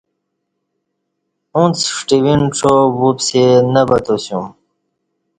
اُݩڅ ݜٹوینڄا وُپسےنہ بتاسیوم